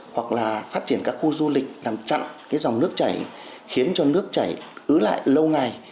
hoặc là phát triển các khu du lịch nằm chặn cái dòng nước chảy khiến cho nước chảy ứ lại lâu ngày